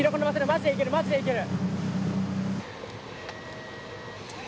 マジでいけるマジでいける。